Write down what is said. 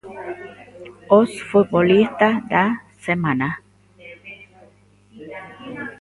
Os futbolistas da semana.